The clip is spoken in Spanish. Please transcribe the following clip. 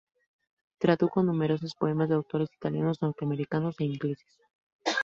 Tradujo numerosos poemas de autores italianos, norteamericanos e ingleses.